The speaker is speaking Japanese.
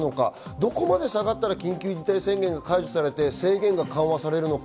どこまで下がったら緊急事態宣言が解除されて制限が緩和されるのか。